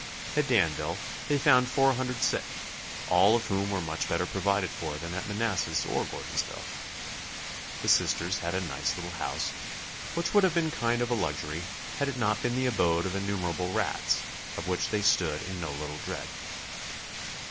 At Danville they found four hundred sick, all of whom were much better provided for than at Manassas or Gordonsville. The Sisters had a nice little house, which would have been a kind of luxury had it not been the abode of innumerable rats, of which they stood in no little dread.